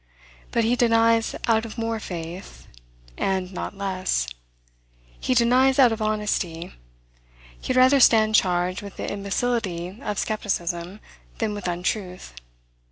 But he denies out of more faith, and not less. He denies out of honesty. He had rather stand charged with the imbecility of skepticism, than with untruth.